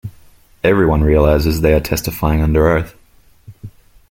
Everyone realizes they are testifying under oath.